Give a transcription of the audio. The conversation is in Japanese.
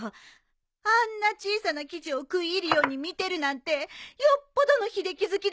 あんな小さな記事を食い入るように見てるなんてよっぽどの秀樹好きだもの。